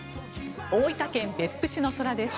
大分県別府市の空です。